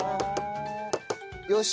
よし！